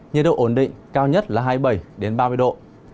nhiệt độ ổn định cao nhất là hai mươi bảy ba mươi độ